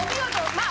まあ。